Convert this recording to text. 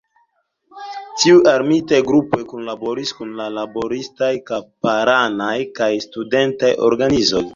Tiuj armitaj grupoj kunlaboris kun la laboristaj, kamparanaj kaj studentaj organizoj.